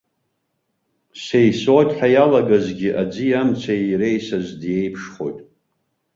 Сеисоит ҳәа иалагазгьы, аӡи амцеи иреисаз диеиԥшхоит.